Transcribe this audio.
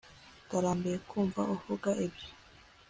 Ndarambiwe kumva uvuga ibyo